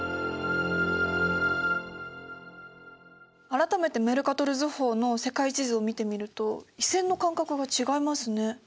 改めてメルカトル図法の世界地図を見てみると緯線の間隔が違いますね。